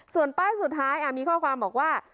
ส่วนป้ายสุดท้ายมีข้อความบอกว่า